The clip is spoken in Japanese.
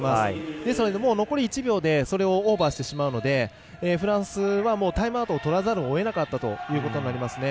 ですので、残り１秒でそれをオーバーしてしまうのでフランスはタイムアウトをとらざるをえなかったと思いますね。